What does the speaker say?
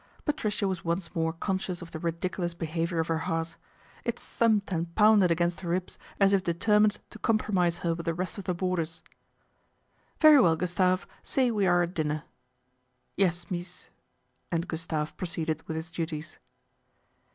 Patricia was once more con >cious of the ridiculous behaviour of her heart. It thumped and pounded against her ribs as if deter mined to compromise her with the rest of the boarders. 1 Very well, Gustave, say we are at dinner/' ' Yes, mees," and Gustave proceeded with his iuties.